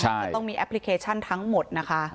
จะต้องมีแอปพลิเคชันทั้งหมดนะคะ